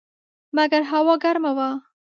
مګر هوا ګرمه وه.